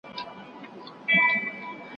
نه مېږیانو زده کړه ژبه د خزدکي